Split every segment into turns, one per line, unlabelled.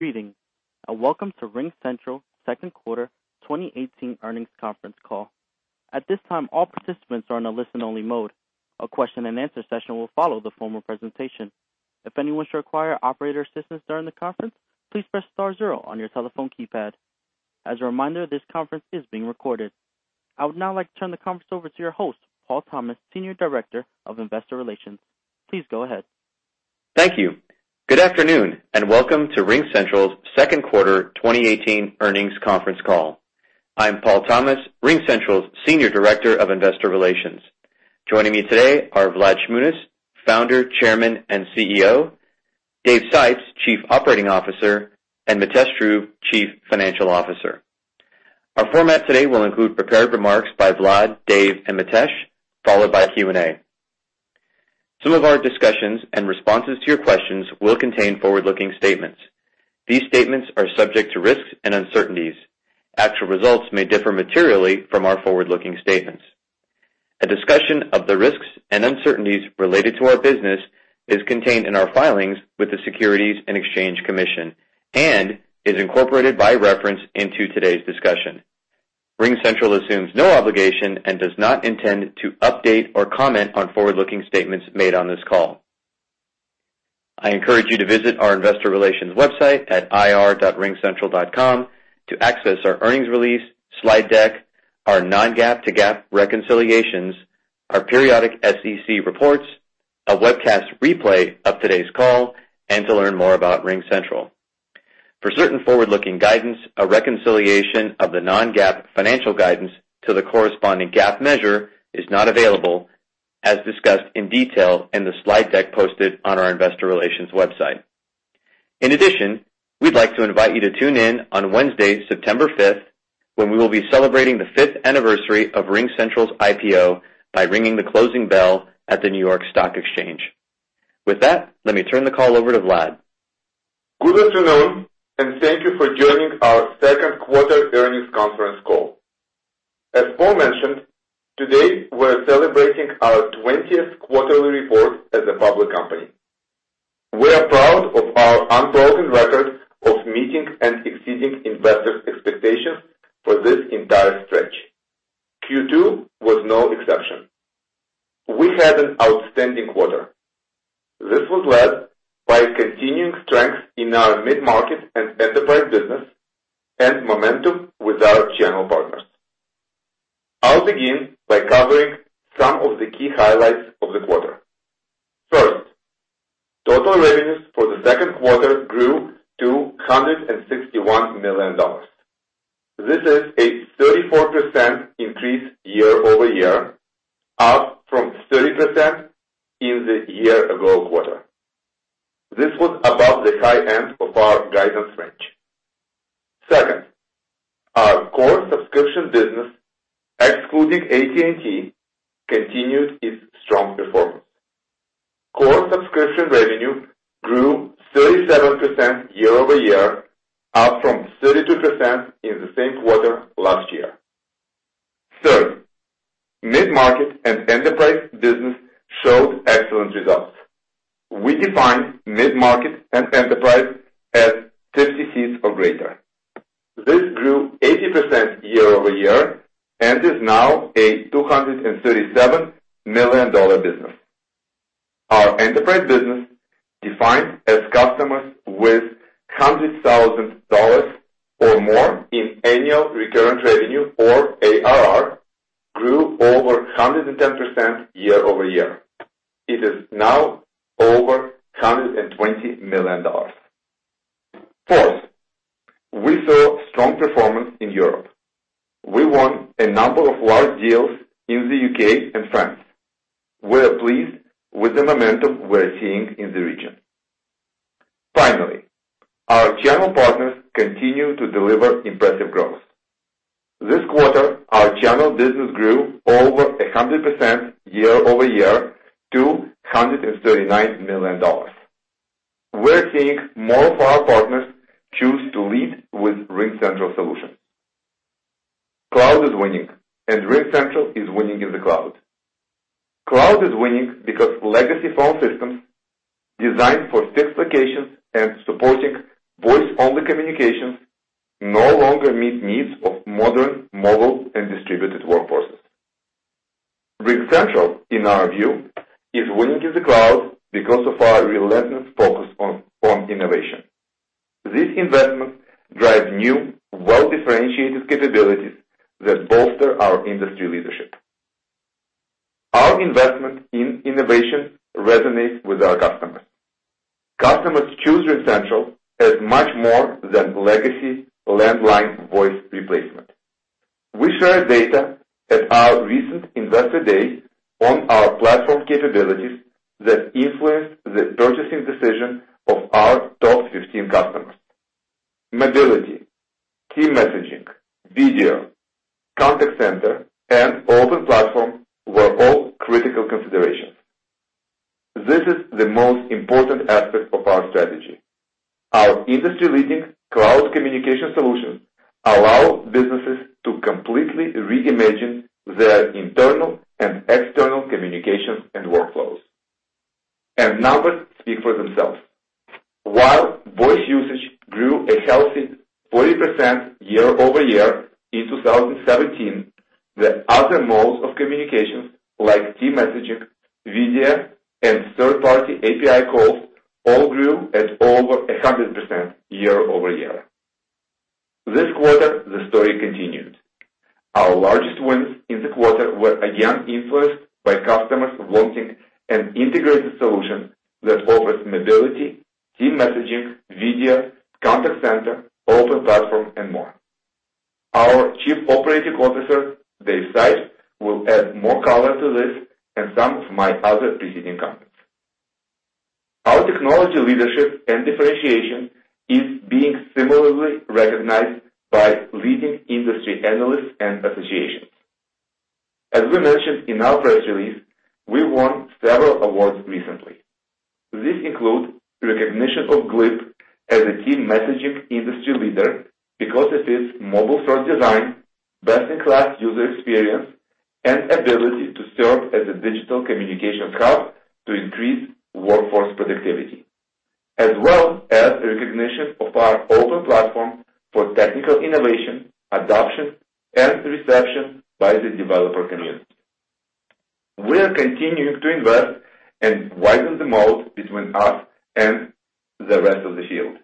Greetings, welcome to RingCentral's second quarter 2018 earnings conference call. At this time, all participants are in a listen-only mode. A question and answer session will follow the formal presentation. If anyone should require operator assistance during the conference, please press star zero on your telephone keypad. As a reminder, this conference is being recorded. I would now like to turn the conference over to your host, Paul Thomas, Senior Director of Investor Relations. Please go ahead.
Thank you. Good afternoon, welcome to RingCentral's second quarter 2018 earnings conference call. I'm Paul Thomas, RingCentral's Senior Director of Investor Relations. Joining me today are Vlad Shmunis, Founder, Chairman, and CEO, Dave Sipes, Chief Operating Officer, and Mitesh Dhruv, Chief Financial Officer. Our format today will include prepared remarks by Vlad, Dave, and Mitesh, followed by Q&A. Some of our discussions and responses to your questions will contain forward-looking statements. These statements are subject to risks and uncertainties. Actual results may differ materially from our forward-looking statements. A discussion of the risks and uncertainties related to our business is contained in our filings with the Securities and Exchange Commission and is incorporated by reference into today's discussion. RingCentral assumes no obligation and does not intend to update or comment on forward-looking statements made on this call. I encourage you to visit our investor relations website at ir.ringcentral.com to access our earnings release, slide deck, our non-GAAP to GAAP reconciliations, our periodic SEC reports, a webcast replay of today's call, and to learn more about RingCentral. For certain forward-looking guidance, a reconciliation of the non-GAAP financial guidance to the corresponding GAAP measure is not available, as discussed in detail in the slide deck posted on our investor relations website. In addition, we'd like to invite you to tune in on Wednesday, September 5th, when we will be celebrating the fifth anniversary of RingCentral's IPO by ringing the closing bell at the New York Stock Exchange. With that, let me turn the call over to Vlad.
Good afternoon, thank you for joining our second quarter earnings conference call. As Paul mentioned, today we're celebrating our 20th quarterly report as a public company. We are proud of our unbroken record of meeting and exceeding investors' expectations for this entire stretch. Q2 was no exception. We had an outstanding quarter. This was led by continuing strength in our mid-market and enterprise business and momentum with our channel partners. I'll begin by covering some of the key highlights of the quarter. First, total revenues for the second quarter grew to $161 million. This is a 34% increase year-over-year, up from 30% in the year-ago quarter. This was above the high end of our guidance range. Second, our core subscription business, excluding AT&T, continued its strong performance. Core subscription revenue grew 37% year-over-year, up from 32% in the same quarter last year. Third, mid-market and enterprise business showed excellent results. We defined mid-market and enterprise as 50 seats or greater. This grew 80% year over year and is now a $237 million business. Our enterprise business, defined as customers with $100,000 or more in annual recurring revenue or ARR, grew over 110% year over year. It is now over $120 million. Fourth, we saw strong performance in Europe. We won a number of large deals in the U.K. and France. We are pleased with the momentum we're seeing in the region. Finally, our channel partners continue to deliver impressive growth. This quarter, our channel business grew over 100% year over year to $139 million. We're seeing more of our partners choose to lead with RingCentral solutions. Cloud is winning, and RingCentral is winning in the cloud. Cloud is winning because legacy phone systems designed for fixed locations and supporting voice-only communications no longer meet needs of modern mobile and distributed workforces. RingCentral, in our view, is winning in the cloud because of our relentless focus on innovation. This investment drives new, well-differentiated capabilities that bolster our industry leadership. Our investment in innovation resonates with our customers. Customers choose RingCentral as much more than legacy landline voice replacement. We share data at our recent Investor Day on our platform capabilities that influenced the purchasing decision of our top 15 customers. Mobility, team messaging, video, contact center, and open platform were all critical considerations. This is the most important aspect of our strategy. Our industry-leading cloud communication solutions allow businesses to completely reimagine their internal and external communications and workflows. Numbers speak for themselves. While voice usage grew a healthy 40% year over year in 2017, the other modes of communication like team messaging, video, and third-party API calls all grew at over 100% year over year. This quarter, the story continued. Our largest wins in the quarter were again influenced by customers wanting an integrated solution that offers mobility, team messaging, video, contact center, open platform, and more. Our Chief Operating Officer, Dave Sipes, will add more color to this and some of my other preceding comments. Our technology leadership and differentiation is being similarly recognized by leading industry analysts and associations. As we mentioned in our press release, we won several awards recently. This includes recognition of Glip as a team messaging industry leader because of its mobile-first design, best-in-class user experience, and ability to serve as a digital communications hub to increase workforce productivity, as well as the recognition of our open platform for technical innovation, adoption, and reception by the developer community. We are continuing to invest and widen the moat between us and the rest of the field.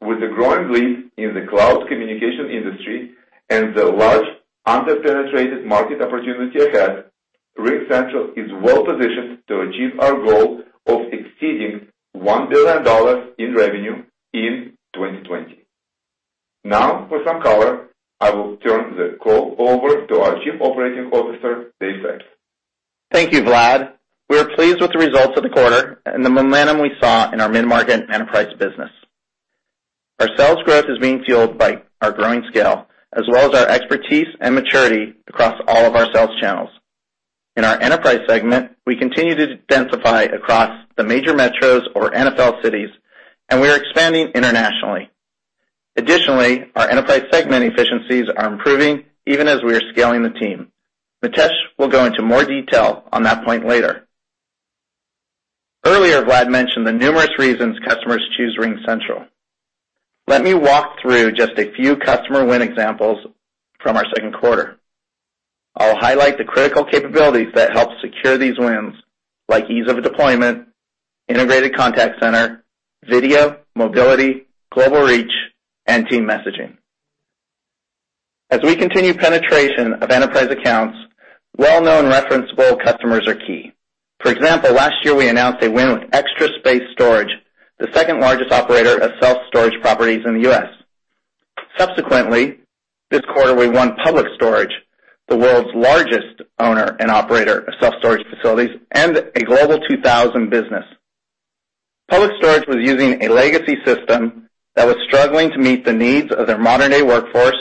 With a growing lead in the cloud communication industry and the large under-penetrated market opportunity ahead, RingCentral is well-positioned to achieve our goal of exceeding $1 billion in revenue in 2020. Now for some color, I will turn the call over to our Chief Operating Officer, Dave Sipes.
Thank you, Vlad. We are pleased with the results of the quarter and the momentum we saw in our mid-market enterprise business. Our sales growth is being fueled by our growing scale, as well as our expertise and maturity across all of our sales channels. In our enterprise segment, we continue to densify across the major metros or NFL cities, and we are expanding internationally. Additionally, our enterprise segment efficiencies are improving even as we are scaling the team. Mitesh will go into more detail on that point later. Earlier, Vlad mentioned the numerous reasons customers choose RingCentral. Let me walk through just a few customer win examples from our second quarter. I'll highlight the critical capabilities that help secure these wins, like ease of deployment, integrated contact center, video, mobility, global reach, and team messaging. As we continue penetration of enterprise accounts, well-known referenceable customers are key. For example, last year we announced a win with Extra Space Storage, the second-largest operator of self-storage properties in the U.S. Subsequently, this quarter we won Public Storage, the world's largest owner and operator of self-storage facilities and a Global 2000 business. Public Storage was using a legacy system that was struggling to meet the needs of their modern-day workforce,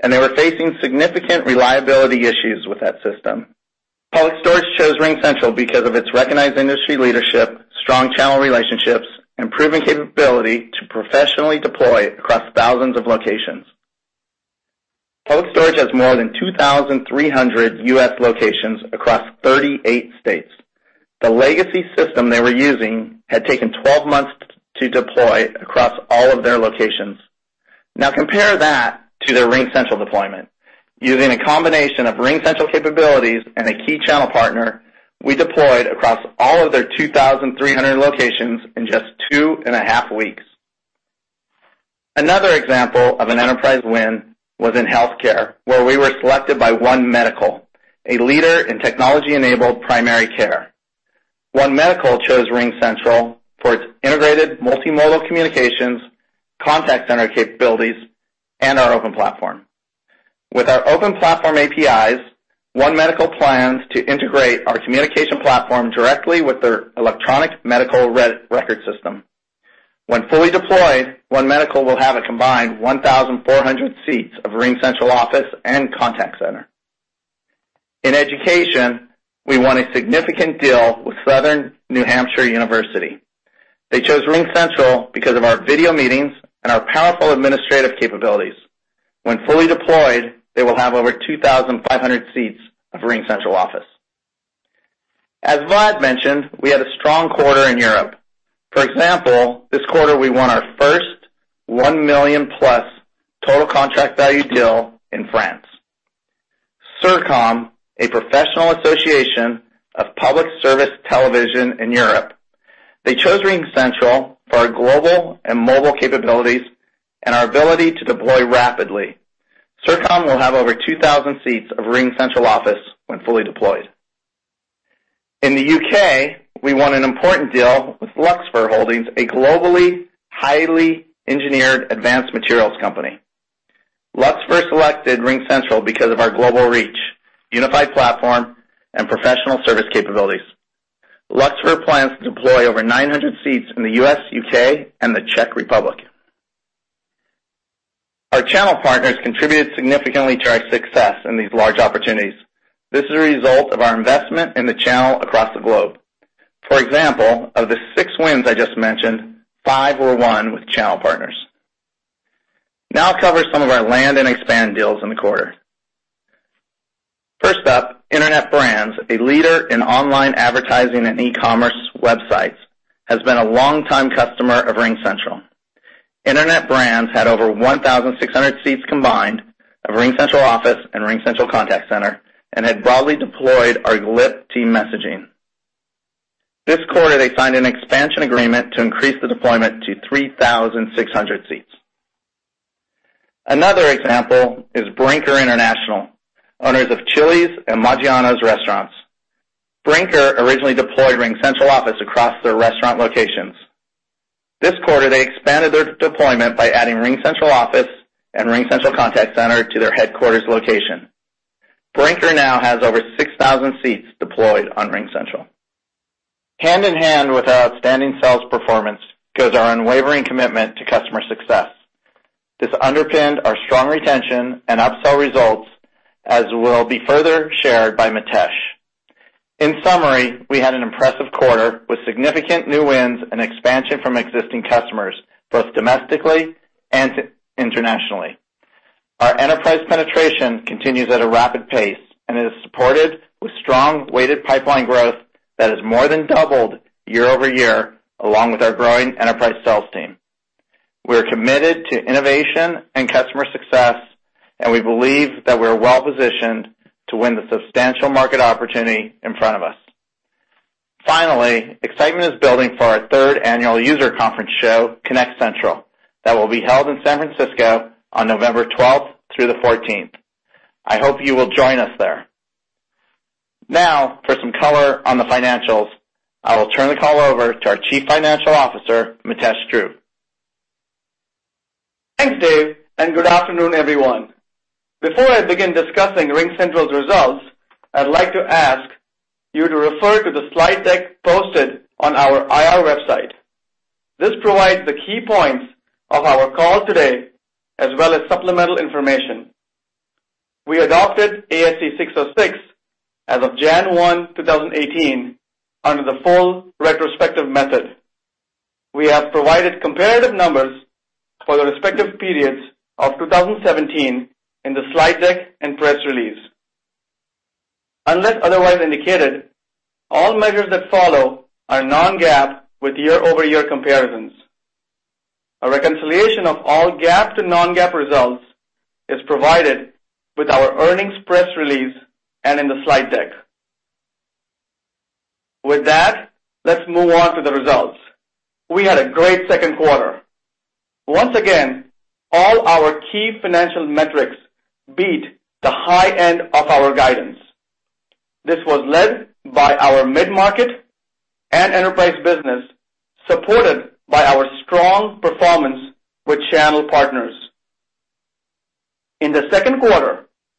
and they were facing significant reliability issues with that system. Public Storage chose RingCentral because of its recognized industry leadership, strong channel relationships, and proven capability to professionally deploy across thousands of locations. Public Storage has more than 2,300 U.S. locations across 38 states. The legacy system they were using had taken 12 months to deploy across all of their locations. Now compare that to their RingCentral deployment. Using a combination of RingCentral capabilities and a key channel partner, we deployed across all of their 2,300 locations in just two and a half weeks. Another example of an enterprise win was in healthcare, where we were selected by One Medical, a leader in technology-enabled primary care. One Medical chose RingCentral for its integrated multimodal communications, contact center capabilities, and our open platform. With our open platform APIs, One Medical plans to integrate our communication platform directly with their electronic medical record system. When fully deployed, One Medical will have a combined 1,400 seats of RingCentral Office and Contact Center. In education, we won a significant deal with Southern New Hampshire University. They chose RingCentral because of our video meetings and our powerful administrative capabilities. When fully deployed, they will have over 2,500 seats of RingCentral Office. As Vlad mentioned, we had a strong quarter in Europe. For example, this quarter we won our first one million-plus total contract value deal in France. CIRCOM, a professional association of public service television in Europe. They chose RingCentral for our global and mobile capabilities and our ability to deploy rapidly. CIRCOM will have over 2,000 seats of RingCentral Office when fully deployed. In the U.K., we won an important deal with Luxfer Holdings, a globally highly engineered advanced materials company. Luxfer selected RingCentral because of our global reach, unified platform, and professional service capabilities. Luxfer plans to deploy over 900 seats in the U.S., U.K., and the Czech Republic. Our channel partners contributed significantly to our success in these large opportunities. This is a result of our investment in the channel across the globe. For example, of the six wins I just mentioned, five were won with channel partners. I'll cover some of our land and expand deals in the quarter. First up, Internet Brands, a leader in online advertising and e-commerce websites, has been a long-time customer of RingCentral. Internet Brands had over 1,600 seats combined of RingCentral Office and RingCentral Contact Center and had broadly deployed our Glip team messaging. This quarter, they signed an expansion agreement to increase the deployment to 3,600 seats. Another example is Brinker International, owners of Chili's and Maggiano's restaurants. Brinker originally deployed RingCentral Office across their restaurant locations. This quarter, they expanded their deployment by adding RingCentral Office and RingCentral Contact Center to their headquarters location. Brinker now has over 6,000 seats deployed on RingCentral. Hand-in-hand with our outstanding sales performance goes our unwavering commitment to customer success. This underpinned our strong retention and upsell results, as will be further shared by Mitesh. We had an impressive quarter with significant new wins and expansion from existing customers, both domestically and internationally. Our enterprise penetration continues at a rapid pace and is supported with strong weighted pipeline growth that has more than doubled year-over-year, along with our growing enterprise sales team. We're committed to innovation and customer success, and we believe that we're well-positioned to win the substantial market opportunity in front of us. Finally, excitement is building for our third annual user conference show, ConnectCentral, that will be held in San Francisco on November 12th through the 14th. I hope you will join us there. For some color on the financials, I will turn the call over to our Chief Financial Officer, Mitesh Dhruv.
Thanks, Dave, good afternoon, everyone. Before I begin discussing RingCentral's results, I'd like to ask you to refer to the slide deck posted on our IR website. This provides the key points of our call today, as well as supplemental information. We adopted ASC 606 as of January 1, 2018, under the full retrospective method. We have provided comparative numbers for the respective periods of 2017 in the slide deck and press release. Unless otherwise indicated, all measures that follow are non-GAAP with year-over-year comparisons. A reconciliation of all GAAP to non-GAAP results is provided with our earnings press release and in the slide deck. Let's move on to the results. We had a great second quarter. Once again, all our key financial metrics beat the high end of our guidance. This was led by our mid-market and enterprise business, supported by our strong performance with channel partners.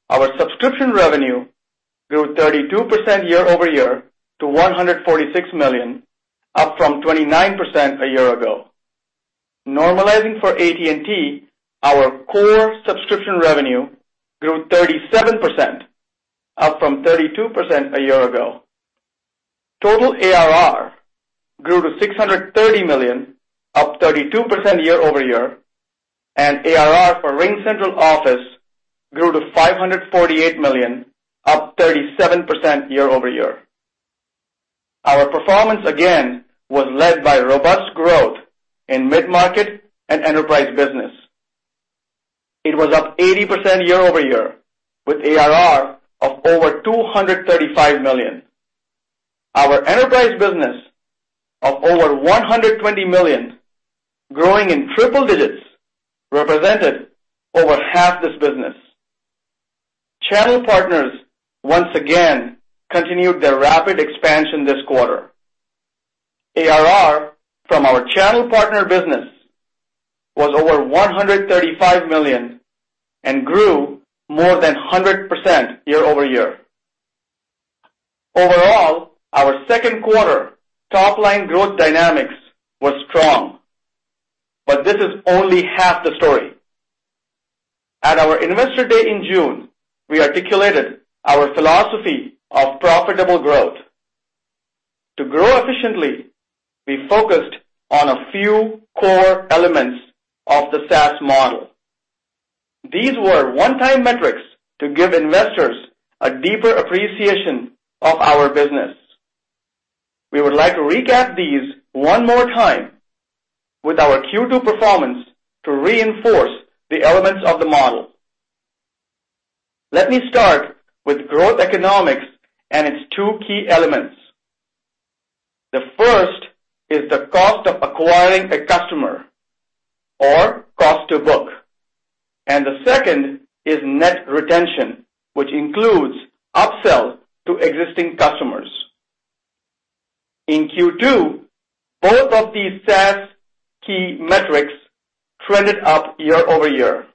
Our subscription revenue grew 32% year-over-year to $146 million, up from 29% a year ago. Normalizing for AT&T, our core subscription revenue grew 37%, up from 32% a year ago. Total ARR grew to $630 million, up 32% year-over-year, and ARR for RingCentral Office grew to $548 million, up 37% year-over-year. Our performance again was led by robust growth in mid-market and enterprise business. It was up 80% year-over-year with ARR of over $235 million. Our enterprise business of over $120 million, growing in triple digits, represented over half this business. Channel partners once again continued their rapid expansion this quarter. ARR from our channel partner business was over $135 million and grew more than 100% year-over-year. Overall, our second quarter top-line growth dynamics were strong. This is only half the story. At our investor day in June, we articulated our philosophy of profitable growth. To grow efficiently, we focused on a few core elements of the SaaS model. These were one-time metrics to give investors a deeper appreciation of our business. We would like to recap these one more time with our Q2 performance to reinforce the elements of the model. Let me start with growth economics and its two key elements. The first is the cost of acquiring a customer or cost to book. The second is net retention, which includes upsells to existing customers. In Q2, both of these SaaS key metrics trended up year over year.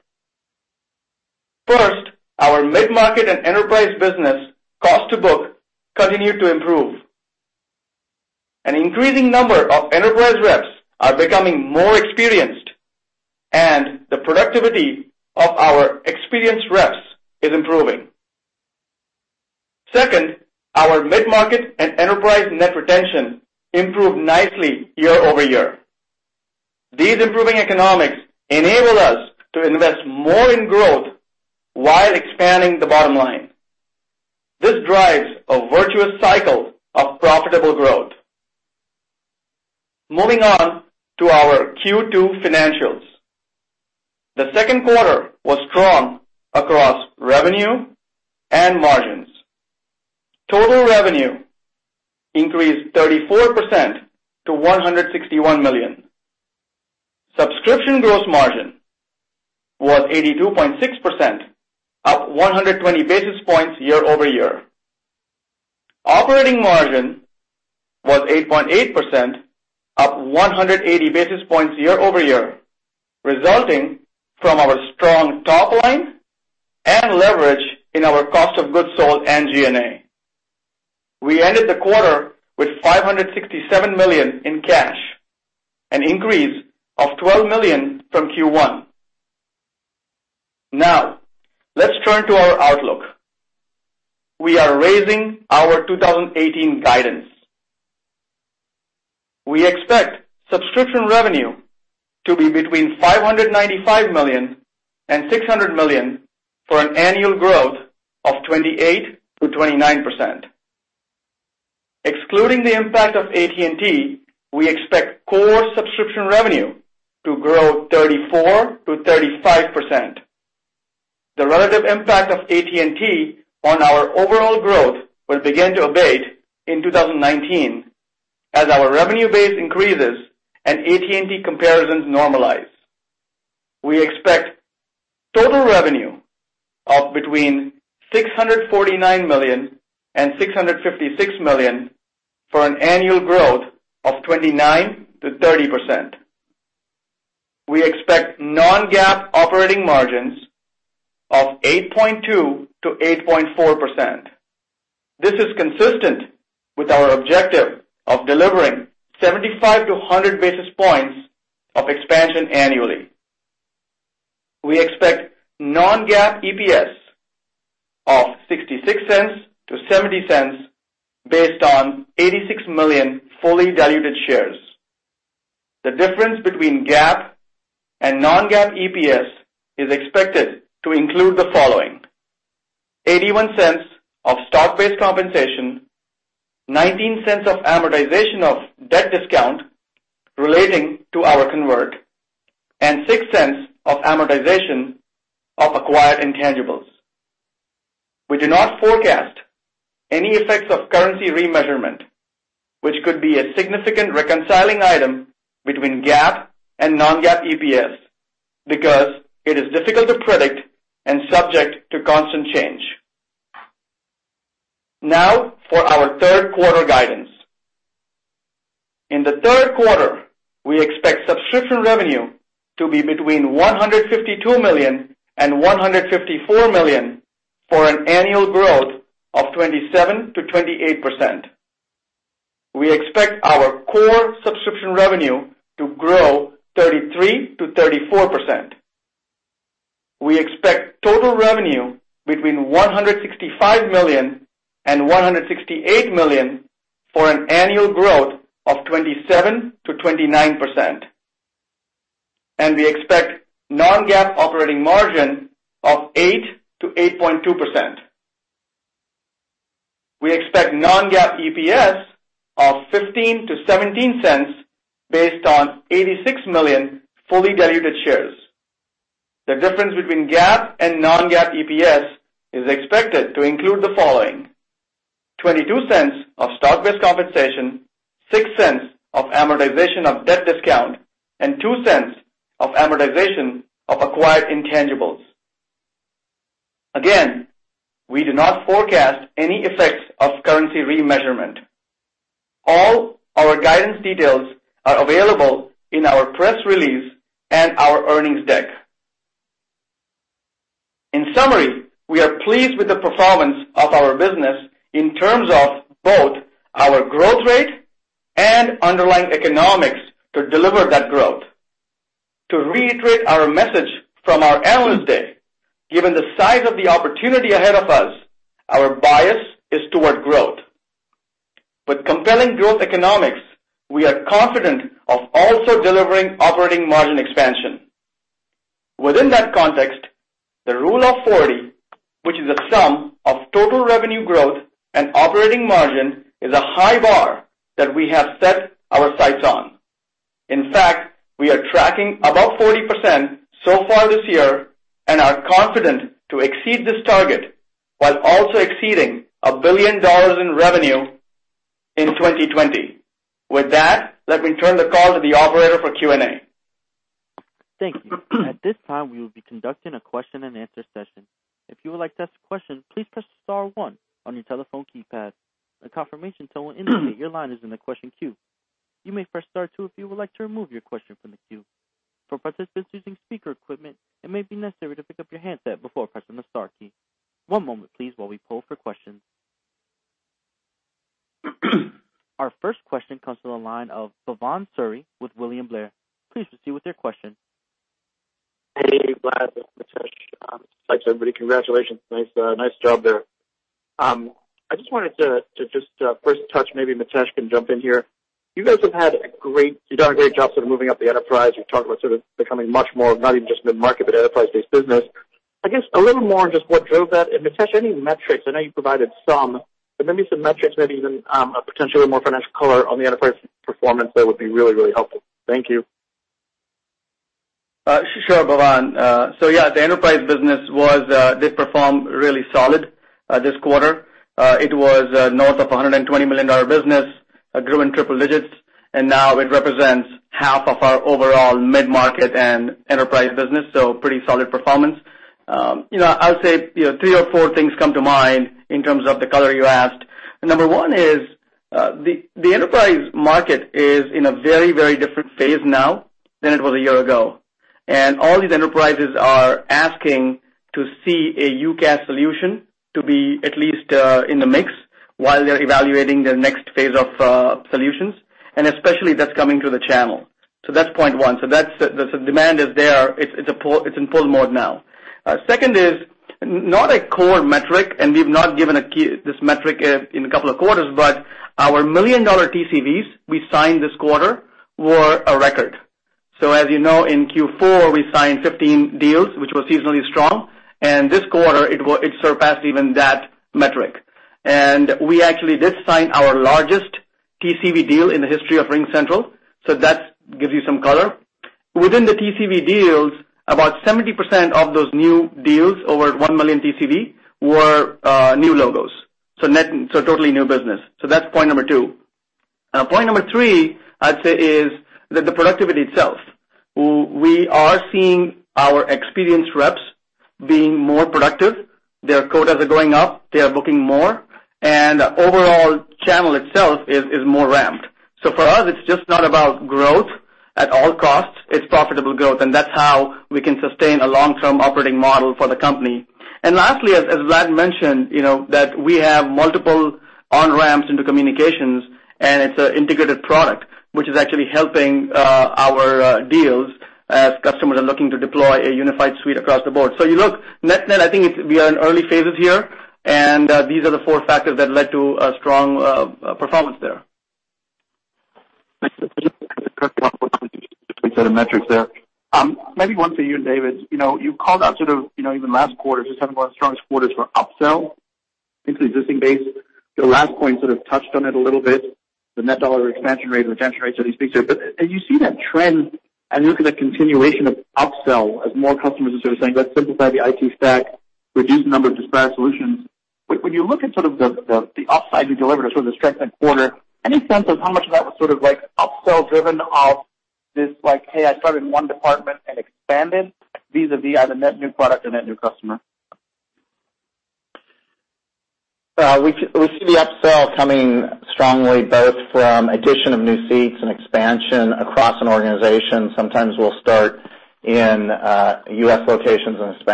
First, our mid-market and enterprise business cost to book continued to improve. An increasing number of enterprise reps are becoming more experienced. The productivity of our experienced reps is improving. Second, our mid-market and enterprise net retention improved nicely year over year. These improving economics enable us to invest more in growth while expanding the bottom line. This drives a virtuous cycle of profitable growth. Moving on to our Q2 financials. The second quarter was strong across revenue and margins. Total revenue increased 34% to $161 million. Subscription gross margin was 82.6%, up 120 basis points year over year. Operating margin was 8.8%, up 180 basis points year over year, resulting from our strong top line and leverage in our cost of goods sold and G&A. We ended the quarter with $567 million in cash, an increase of $12 million from Q1. Now, let's turn to our outlook. We are raising our 2018 guidance. We expect subscription revenue to be between $595 million and $600 million for an annual growth of 28%-29%. Excluding the impact of AT&T, we expect core subscription revenue to grow 34%-35%. The relative impact of AT&T on our overall growth will begin to abate in 2019 as our revenue base increases and AT&T comparisons normalize. We expect total revenue of between $649 million and $656 million for an annual growth of 29%-30%. We expect non-GAAP operating margins of 8.2%-8.4%. This is consistent with our objective of delivering 75 to 100 basis points of expansion annually. We expect non-GAAP EPS of $0.66 to $0.70 based on 86 million fully diluted shares. The difference between GAAP and non-GAAP EPS is expected to include the following: $0.81 of stock-based compensation, $0.19 of amortization of debt discount relating to our convert. $0.06 of amortization of acquired intangibles. We do not forecast any effects of currency remeasurement, which could be a significant reconciling item between GAAP and non-GAAP EPS because it is difficult to predict and subject to constant change. Now for our third quarter guidance. In the third quarter, we expect subscription revenue to be between $152 million and $154 million for an annual growth of 27%-28%. We expect our core subscription revenue to grow 33%-34%. We expect total revenue between $165 million and $168 million for an annual growth of 27%-29%. We expect non-GAAP operating margin of 8%-8.2%. We expect non-GAAP EPS of $0.15-$0.17 based on 86 million fully diluted shares. The difference between GAAP and non-GAAP EPS is expected to include the following: $0.22 of stock-based compensation, $0.06 of amortization of debt discount, and $0.02 of amortization of acquired intangibles. Again, we do not forecast any effects of currency remeasurement. All our guidance details are available in our press release and our earnings deck. In summary, we are pleased with the performance of our business in terms of both our growth rate and underlying economics to deliver that growth. To reiterate our message from our analyst day, given the size of the opportunity ahead of us, our bias is toward growth. With compelling growth economics, we are confident of also delivering operating margin expansion. Within that context, the Rule of 40, which is a sum of total revenue growth and operating margin, is a high bar that we have set our sights on. In fact, we are tracking above 40% so far this year and are confident to exceed this target while also exceeding $1 billion in revenue in 2020. With that, let me turn the call to the operator for Q&A.
Thank you. At this time, we will be conducting a question-and-answer session. If you would like to ask a question, please press star one on your telephone keypad. A confirmation tone will indicate your line is in the question queue. You may press star two if you would like to remove your question from the queue. For participants using speaker equipment, it may be necessary to pick up your handset before pressing the star key. One moment please while we poll for questions. Our first question comes from the line of Bhavan Suri with William Blair. Please proceed with your question.
Hey, Vlad and Mitesh. Thanks, everybody. Congratulations. Nice job there. I just wanted to first touch, maybe Mitesh can jump in here. You've done a great job sort of moving up the enterprise. You've talked about sort of becoming much more, not even just mid-market, but enterprise-based business. I guess a little more on just what drove that. Mitesh, any metrics, I know you provided some, but maybe some metrics, maybe even potentially more financial color on the enterprise performance, that would be really helpful. Thank you.
Sure, Bhavan. Yeah, the enterprise business did perform really solid this quarter. It was north of $120 million business, grew in triple digits, and now it represents half of our overall mid-market and enterprise business, so pretty solid performance. I would say, three or four things come to mind in terms of the color you asked. Number 1 is, the enterprise market is in a very different phase now than it was a year ago. All these enterprises are asking to see a UCaaS solution to be at least in the mix while they're evaluating their next phase of solutions, and especially that's coming through the channel. That's point 1. The demand is there. It's in full mode now. 2nd is not a core metric, and we've not given this metric in a couple of quarters, but our $1 million TCVs we signed this quarter were a record. As you know, in Q4, we signed 15 deals, which was seasonally strong. This quarter, it surpassed even that metric. We actually did sign our largest TCV deal in the history of RingCentral. That gives you some color. Within the TCV deals, about 70% of those new deals over $1 million TCV were new logos, so totally new business. That's point number 2. Point number 3, I'd say, is the productivity itself. We are seeing our experienced reps being more productive. Their quotas are going up. They are booking more, and overall channel itself is more ramped. For us, it's just not about growth at all costs. It's profitable growth, and that's how we can sustain a long-term operating model for the company. Lastly, as Vlad mentioned, that we have multiple on-ramps into communications, and it's an integrated product, which is actually helping our deals as customers are looking to deploy a unified suite across the board. You look, net-net, I think we are in early phases here, and these are the four factors that led to a strong performance there.
Thanks.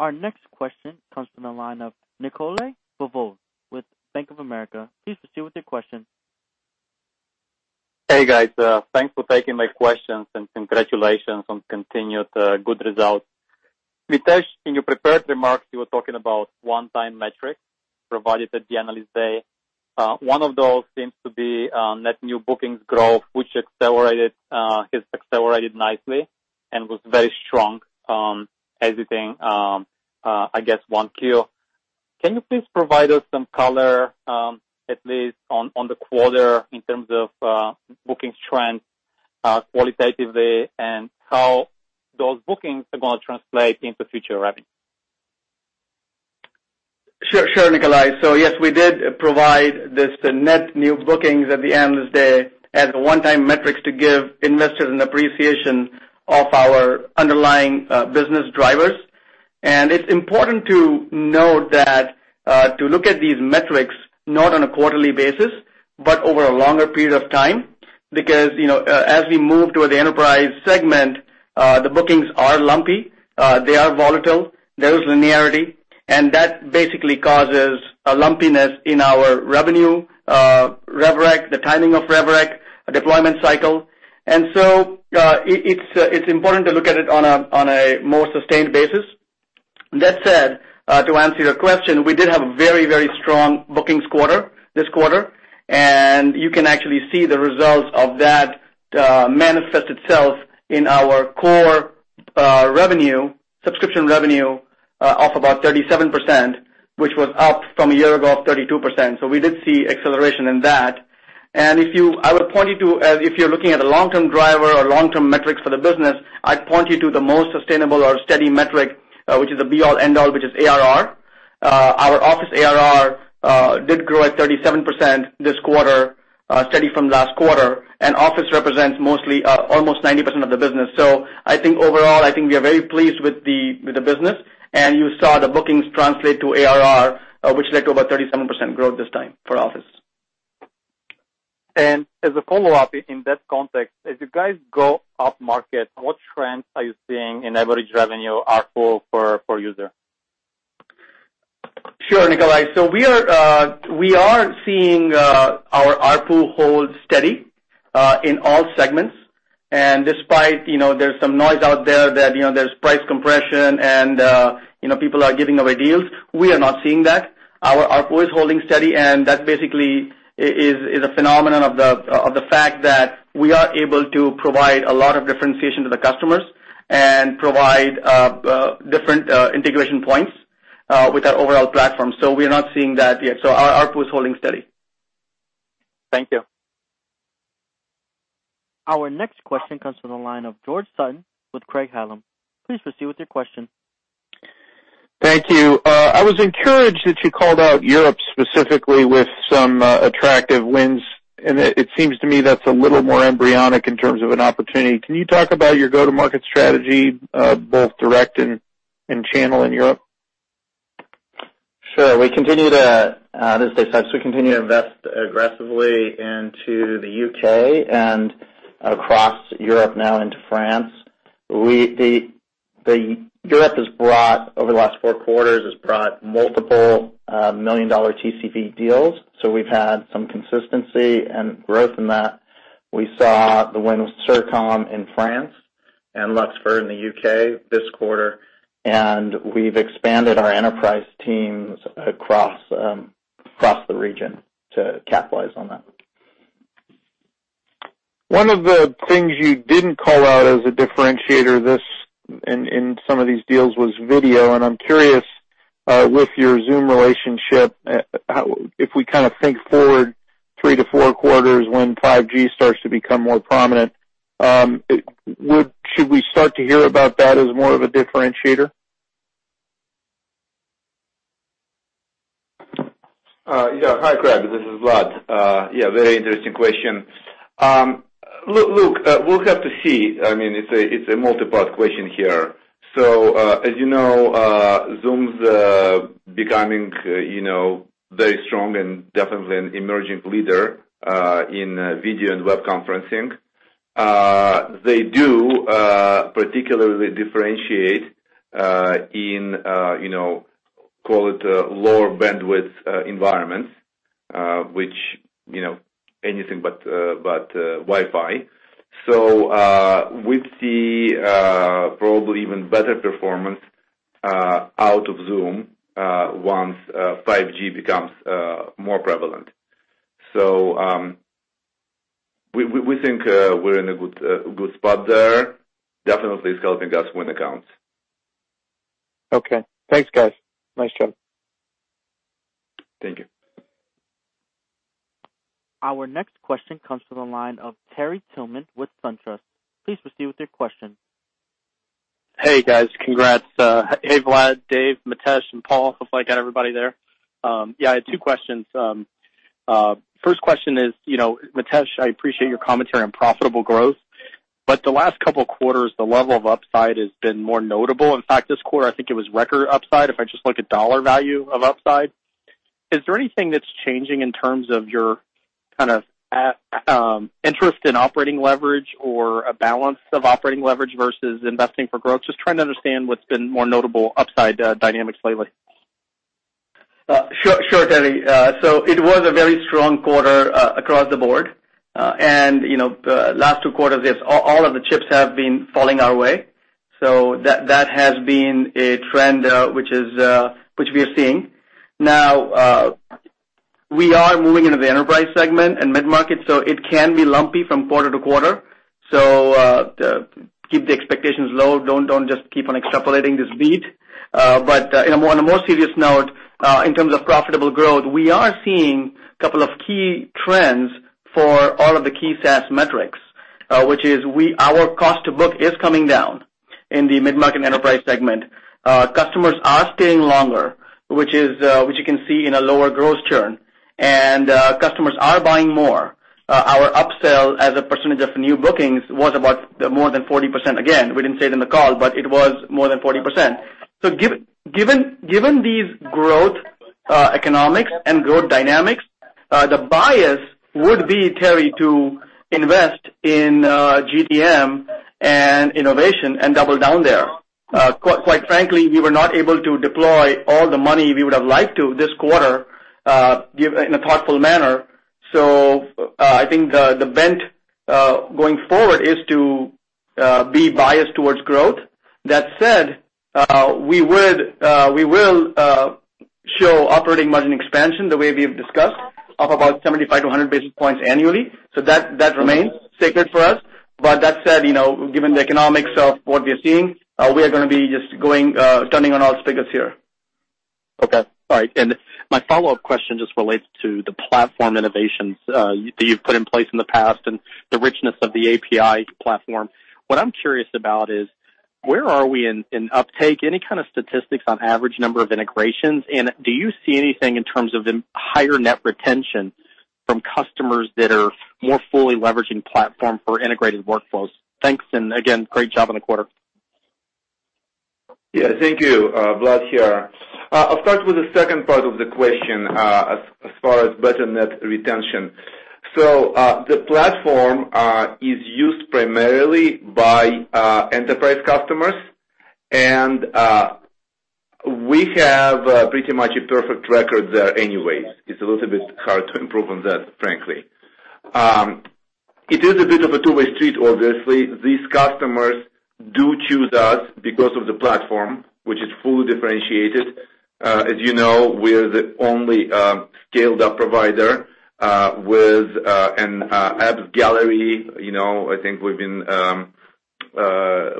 Hey, guys. Thanks for taking my questions, and congratulations on continued good results. Mitesh, in your prepared remarks, you were talking about one-time metrics provided at the Analyst Day. One of those seems to be net new bookings growth, which has accelerated nicely and was very strong as you think, I guess, 1Q. Can you please provide us some color, at least on the quarter in terms of bookings trends qualitatively and how those bookings are going to translate into future revenue?
Yes, we did provide this net new bookings at the Analyst Day as a one-time metric to give investors an appreciation of our underlying business drivers. It's important to note that to look at these metrics not on a quarterly basis, but over a longer period of time, because as we move toward the enterprise segment, the bookings are lumpy, they are volatile, there is linearity, and that basically causes a lumpiness in our revenue, rev rec, the timing of rev rec, deployment cycle. It's important to look at it on a more sustained basis. That said, to answer your question, we did have a very strong bookings quarter this quarter, and you can actually see the results of that manifest itself in our core revenue, subscription revenue up about 37%, which was up from a year ago of 32%. We did see acceleration in that. I would point you to, if you're looking at a long-term driver or long-term metrics for the business, I'd point you to the most sustainable or steady metric, which is the be all end all, which is ARR. Our office ARR did grow at 37% this quarter, steady from last quarter, and office represents mostly almost 90% of the business. I think overall, I think we are very pleased with the business, and you saw the bookings translate to ARR, which led to about 37% growth this time for office.
As a follow-up in that context, as you guys go upmarket, what trends are you seeing in average revenue ARPU per user?
Sure, Nikolai. We are seeing our ARPU hold steady in all segments. Despite there's some noise out there that there's price compression and people are giving away deals, we are not seeing that. Our ARPU is holding steady, and that basically is a phenomenon of the fact that we are able to provide a lot of differentiation to the customers and provide different integration points with our overall platform. We are not seeing that yet. Our ARPU is holding steady.
Thank you.
Our next question comes from the line of George Sutton with Craig-Hallum. Please proceed with your question.
Thank you. I was encouraged that you called out Europe specifically with some attractive wins. It seems to me that's a little more embryonic in terms of an opportunity. Can you talk about your go-to-market strategy, both direct and channel in Europe?
Sure. As Dave said, we continue to invest aggressively into the U.K. and across Europe now into France. Europe has brought, over the last four quarters, has brought multiple million-dollar TCV deals. We've had some consistency and growth in that. We saw the win with CIRCOM in France and Luxfer in the U.K. this quarter. We've expanded our enterprise teams across the region to capitalize on that.
One of the things you didn't call out as a differentiator in some of these deals was video. I'm curious with your Zoom relationship, if we think forward three to four quarters when 5G starts to become more prominent, should we start to hear about that as more of a differentiator?
Hi, George. This is Vlad. Very interesting question. We'll have to see. It's a multi-part question here. As you know, Zoom's becoming very strong and definitely an emerging leader in video and web conferencing. They do particularly differentiate in call it lower bandwidth environments, which anything but Wi-Fi. We'd see probably even better performance out of Zoom once 5G becomes more prevalent. We think we're in a good spot there. Definitely it's helping us win accounts.
Thanks, guys. Nice job.
Thank you.
Our next question comes from the line of Terry Tillman with SunTrust. Please proceed with your question.
Hey, guys. Congrats. Hey, Vlad, Dave, Mitesh, and Paul, hopefully I got everybody there. I had two questions. First question is, Mitesh, I appreciate your commentary on profitable growth. The last couple of quarters, the level of upside has been more notable. In fact, this quarter, I think it was record upside, if I just look at dollar value of upside. Is there anything that's changing in terms of your interest in operating leverage or a balance of operating leverage versus investing for growth? Just trying to understand what's been more notable upside dynamics lately.
Sure, Terry. It was a very strong quarter across the board. Last two quarters, all of the chips have been falling our way. That has been a trend which we are seeing. Now we are moving into the enterprise segment and mid-market, so it can be lumpy from quarter to quarter. Keep the expectations low. Don't just keep on extrapolating the speed. On a more serious note, in terms of profitable growth, we are seeing couple of key trends for all of the key SaaS metrics, which is our cost to book is coming down in the mid-market enterprise segment. Customers are staying longer, which you can see in a lower growth churn, and customers are buying more. Our upsell as a percentage of new bookings was about more than 40%. Again, we didn't say it in the call, but it was more than 40%. Given these growth economics and growth dynamics, the bias would be, Terry, to invest in GTM and innovation and double down there. Quite frankly, we were not able to deploy all the money we would have liked to this quarter in a thoughtful manner. I think the bent going forward is to be biased towards growth. That said, we will show operating margin expansion the way we've discussed of about 75-100 basis points annually. That remains sacred for us. That said, given the economics of what we're seeing, we are going to be just turning on all the spigots here.
My follow-up question just relates to the platform innovations that you've put in place in the past and the richness of the API platform. What I'm curious about is where are we in uptake? Any kind of statistics on average number of integrations, do you see anything in terms of higher net retention from customers that are more fully leveraging platform for integrated workflows? Thanks, again, great job on the quarter.
Yeah, thank you. Vlad here. I'll start with the second part of the question as far as better net retention. The platform is used primarily by enterprise customers, we have pretty much a perfect record there anyways. It's a little bit hard to improve on that, frankly. It is a bit of a two-way street, obviously. These customers do choose us because of the platform, which is fully differentiated. As you know, we are the only scaled up provider with an apps gallery. I think we've been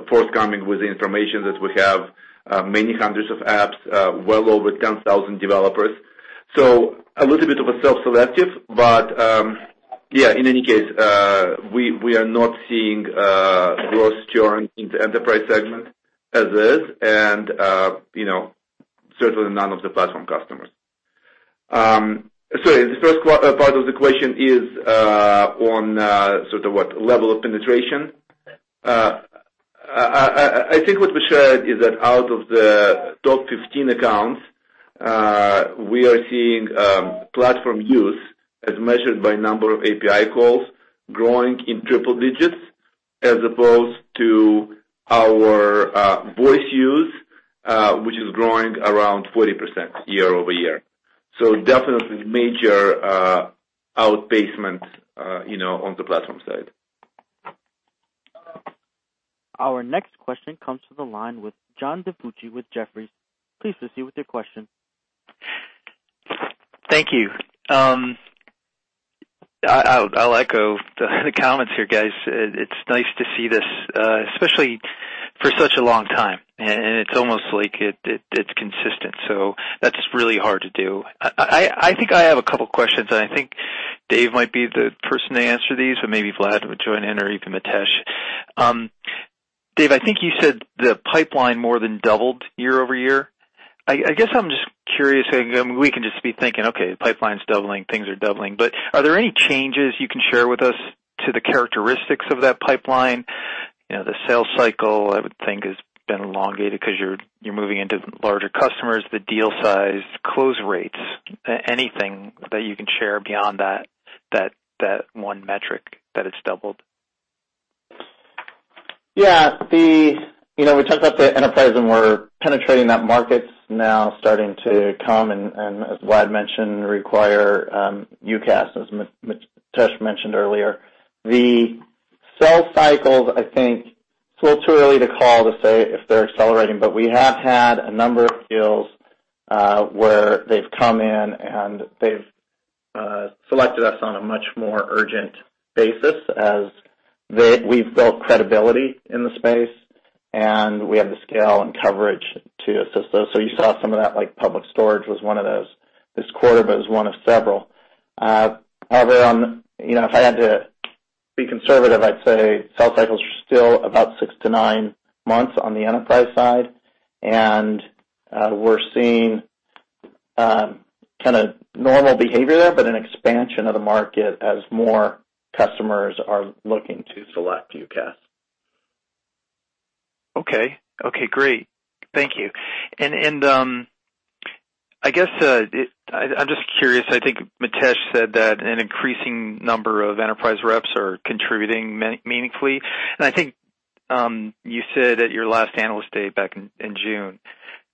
forthcoming with the information that we have many hundreds of apps, well over 10,000 developers. A little bit of a self-selective, but yeah, in any case, we are not seeing gross churn in the enterprise segment as is, certainly none of the platform customers. Sorry, the first part of the question is on sort of what level of penetration. I think what we shared is that out of the top 15 accounts, we are seeing platform use as measured by number of API calls growing in triple digits as opposed to our voice use, which is growing around 40% year-over-year. Definitely major outpaced-ment on the platform side.
Our next question comes to the line with John DiFucci with Jefferies. Please proceed with your question.
Thank you. I'll echo the comments here, guys. It's nice to see this, especially for such a long time, and it's almost like it's consistent. That's really hard to do. I think I have a couple questions, and I think Dave Sipes might be the person to answer these, or maybe Vlad Shmunis would join in or even Mitesh Dhruv. Dave Sipes, I think you said the pipeline more than doubled year over year. I guess I'm just curious. We can just be thinking, okay, pipeline's doubling, things are doubling, are there any changes you can share with us to the characteristics of that pipeline? The sales cycle, I would think, has been elongated because you're moving into larger customers, the deal size, close rates. Anything that you can share beyond that 1 metric that it's doubled?
We talked about the enterprise, we're penetrating that market now starting to come, as Vlad Shmunis mentioned, require UCaaS, as Mitesh Dhruv mentioned earlier. The sales cycles, I think it's a little too early to call to say if they're accelerating, we have had a number of deals where they've come in, and they've selected us on a much more urgent basis as we've built credibility in the space, and we have the scale and coverage to assist those. You saw some of that, like Public Storage was 1 of those this quarter, but it was 1 of several. However, if I had to be conservative, I'd say sales cycles are still about 6-9 months on the enterprise side. We're seeing kind of normal behavior there, but an expansion of the market as more customers are looking to select UCaaS.
Okay. Okay, great. Thank you. I guess I'm just curious, I think Mitesh Dhruv said that an increasing number of enterprise reps are contributing meaningfully. I think you said at your last Analyst Day back in June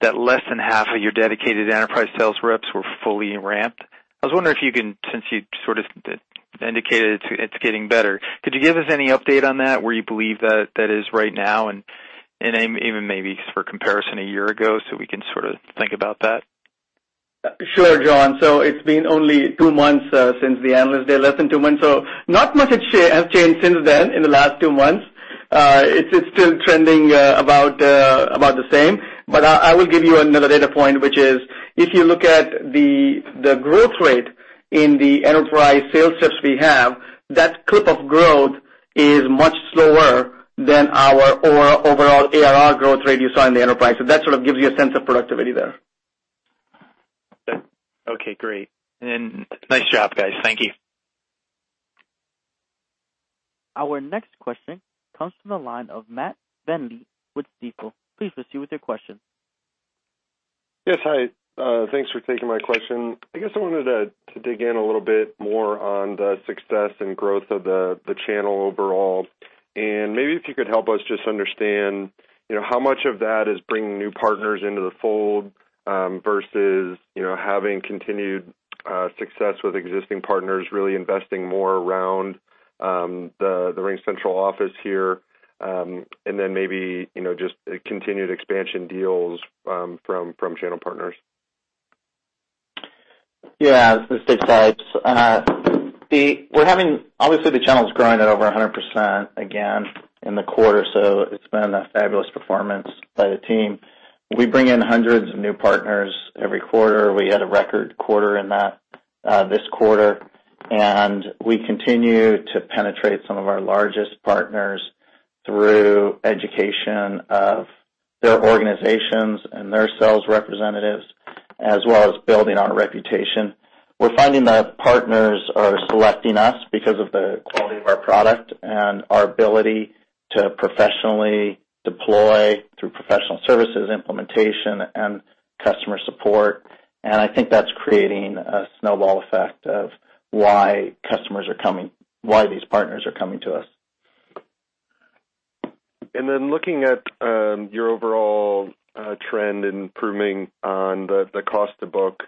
that less than half of your dedicated enterprise sales reps were fully ramped. I was wondering if you can, since you sort of indicated it's getting better, could you give us any update on that, where you believe that is right now, and even maybe for comparison a year ago so we can sort of think about that?
Sure, John. It's been only 2 months since the Analyst Day, less than 2 months. Not much has changed since then in the last 2 months. It's still trending about the same. I will give you another data point, which is if you look at the growth rate in the enterprise sales reps we have, that clip of growth is much slower than our overall ARR growth rate you saw in the enterprise. That sort of gives you a sense of productivity there.
Okay, great. Nice job, guys. Thank you.
Our next question comes from the line of Matt Niknam with Stifel. Please proceed with your question.
Yes, hi. Thanks for taking my question. I guess I wanted to dig in a little bit more on the success and growth of the channel overall. Maybe if you could help us just understand how much of that is bringing new partners into the fold versus having continued success with existing partners, really investing more around the RingCentral Office here. Maybe just continued expansion deals from channel partners.
Yeah, Dave Sipes. Obviously, the channel's growing at over 100% again in the quarter. It's been a fabulous performance by the team. We bring in hundreds of new partners every quarter. We had a record quarter in this quarter. We continue to penetrate some of our largest partners through education of their organizations and their sales representatives, as well as building on a reputation. We're finding that partners are selecting us because of the quality of our product and our ability to professionally deploy through professional services implementation and customer support. I think that's creating a snowball effect of why these partners are coming to us.
Looking at your overall trend, improving on the cost to book,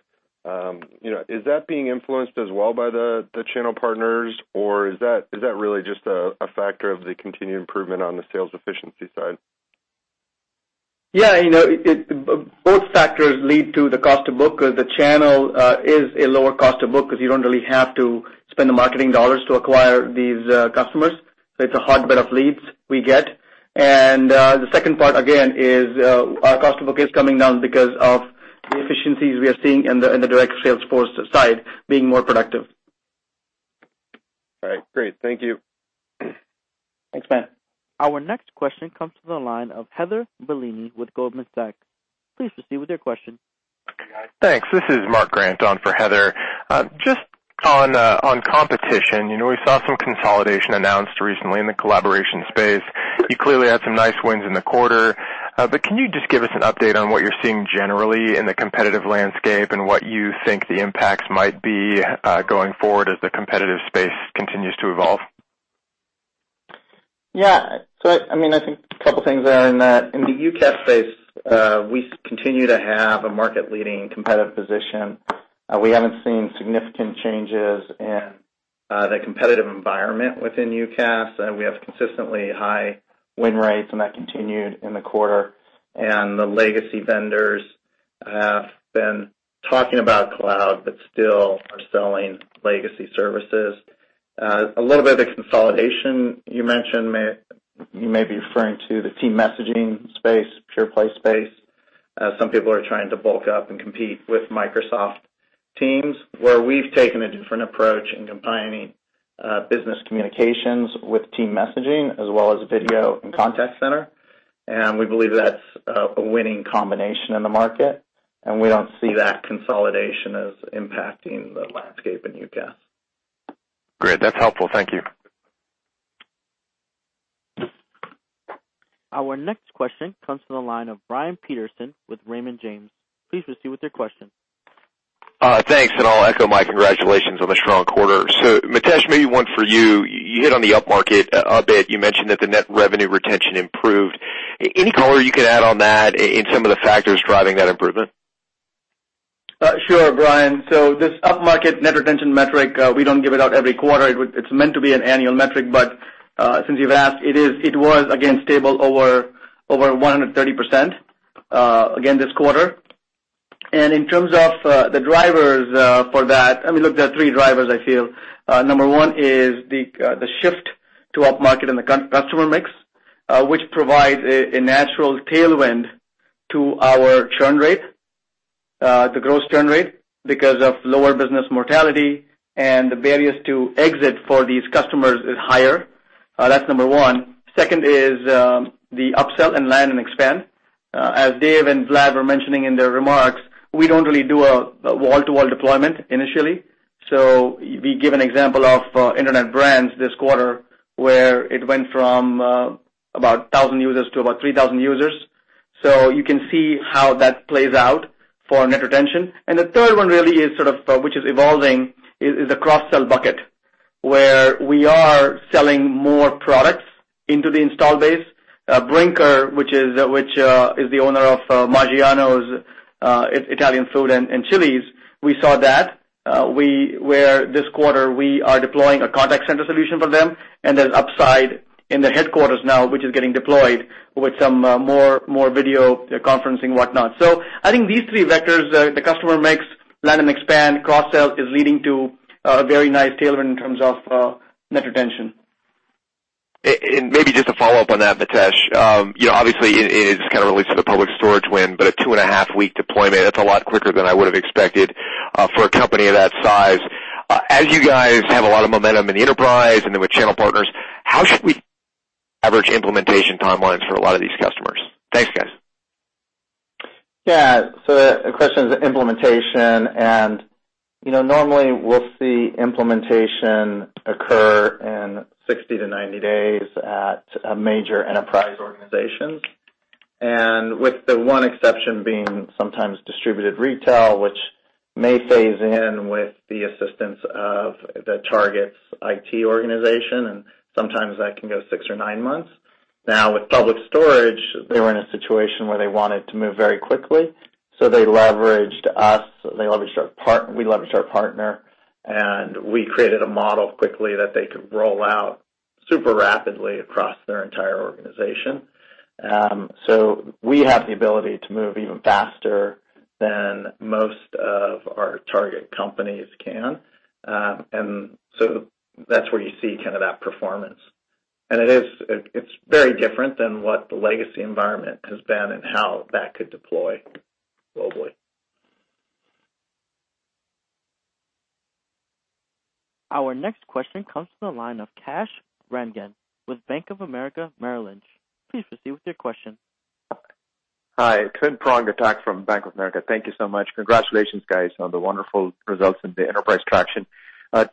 is that being influenced as well by the channel partners, or is that really just a factor of the continued improvement on the sales efficiency side?
Yeah. Both factors lead to the cost to book. The channel is a lower cost to book because you don't really have to spend the marketing dollars to acquire these customers. It's a hot bed of leads we get. The second part, again, is our cost to book is coming down because of the efficiencies we are seeing in the direct sales force side being more productive.
All right, great. Thank you.
Thanks, Ben.
Our next question comes from the line of Heather Bellini with Goldman Sachs. Please proceed with your question.
Thanks. This is Mark Grant on for Heather. Just on competition, we saw some consolidation announced recently in the collaboration space. You clearly had some nice wins in the quarter. Can you just give us an update on what you're seeing generally in the competitive landscape and what you think the impacts might be going forward as the competitive space continues to evolve?
Yeah. I think a couple of things there in that, in the UCaaS space, we continue to have a market-leading competitive position. We haven't seen significant changes in the competitive environment within UCaaS. We have consistently high win rates, and that continued in the quarter. The legacy vendors have been talking about cloud but still are selling legacy services. A little bit of the consolidation you mentioned, you may be referring to the team messaging space, pure play space. Some people are trying to bulk up and compete with Microsoft Teams, where we've taken a different approach in combining business communications with team messaging as well as video and contact center. We believe that's a winning combination in the market, and we don't see that consolidation as impacting the landscape in UCaaS.
Great. That's helpful. Thank you.
Our next question comes from the line of Brian Peterson with Raymond James. Please proceed with your question.
Thanks, I'll echo my congratulations on the strong quarter. Mitesh, maybe one for you. You hit on the up-market a bit. You mentioned that the net revenue retention improved. Any color you could add on that in some of the factors driving that improvement?
Sure, Brian. This up-market net retention metric, we don't give it out every quarter. It's meant to be an annual metric, but since you've asked, it was, again, stable over 130%, again this quarter. In terms of the drivers for that, there are three drivers, I feel. Number one is the shift to up-market in the customer mix, which provides a natural tailwind to our churn rate, the gross churn rate, because of lower business mortality and the barriers to exit for these customers is higher. That's number one. Second is the upsell and land and expand. As Dave and Vlad were mentioning in their remarks, we don't really do a wall-to-wall deployment initially. We give an example of Internet Brands this quarter, where it went from about 1,000 users to about 3,000 users. You can see how that plays out for net retention. The third one really is sort of, which is evolving, is the cross-sell bucket, where we are selling more products into the install base. Brinker, which is the owner of Maggiano's Little Italy and Chili's, we saw that, where this quarter we are deploying a contact center solution for them, and there's upside in the headquarters now, which is getting deployed with some more video conferencing, whatnot. I think these three vectors, the customer mix, land and expand, cross-sell, is leading to a very nice tailwind in terms of net retention.
Maybe just a follow-up on that, Mitesh. Obviously, it kind of relates to the Public Storage win, but a two-and-a-half week deployment, that's a lot quicker than I would have expected for a company of that size. As you guys have a lot of momentum in the enterprise and then with channel partners, how should we average implementation timelines for a lot of these customers? Thanks, guys.
Yeah. The question is implementation, normally we'll see implementation occur in 60 to 90 days at a major enterprise organization. With the one exception being sometimes distributed retail, which may phase in with the assistance of the target's IT organization, sometimes that can go six or nine months. With Public Storage, they were in a situation where they wanted to move very quickly. They leveraged us, we leveraged our partner, and we created a model quickly that they could roll out super rapidly across their entire organization. We have the ability to move even faster than most of our target companies can. That's where you see that performance. It's very different than what the legacy environment has been and how that could deploy globally.
Our next question comes from the line of Kash Rangan with Bank of America, Merrill Lynch. Please proceed with your question.
Hi, [inaudible] again, from Bank of America. Thank you so much. Congratulations, guys, on the wonderful results and the enterprise traction.